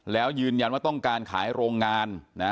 แล้วยืนยันว่าต้องการขายโรงงานนะ